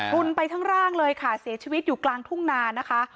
ุนไปทั้งร่างเลยค่ะเสียชีวิตอยู่กลางทุ่งนานะคะ